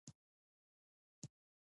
مګنیزیم هایدروکساید یوه القلي ده.